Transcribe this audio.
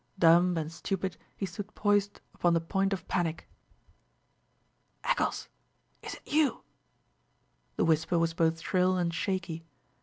Dumb and stupid he stood poised upon the point of panic. "Eccles, is it you?" The whisper was both shrill and shaky.